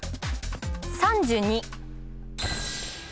３２。